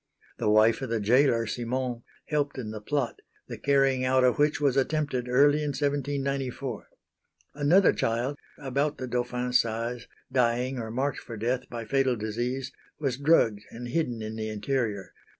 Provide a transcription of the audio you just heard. The wife of the gaoler Simon, helped in the plot, the carrying out of which was attempted early in 1794. Another child about the Dauphin's size, dying or marked for death by fatal disease, was drugged and hidden in the interior.